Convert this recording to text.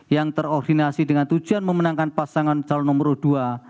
yang terkoordinasi dengan tujuan memenangkan pasangan calon nomor dua